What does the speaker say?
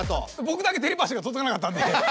ぼくだけテレパシーがとどかなかったんで。